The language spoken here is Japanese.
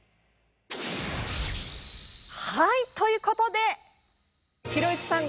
はいという事でひろゆきさん